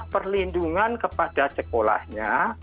perlindungan kepada sekolahnya